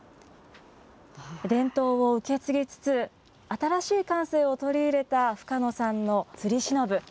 伝統を受け継ぎつつ、新しい感性を取り入れた深野さんのつりしのぶ。